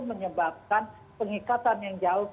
menyebabkan pengikatan yang jauh